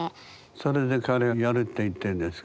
それで彼はやるって言ってるんですか？